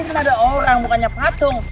kan ada orang bukannya patung